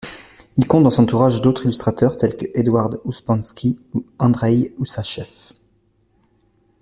Il compte dans son entourage d'autres illustrateurs tels que Edouard Ouspenski ou Andreï Ousachev.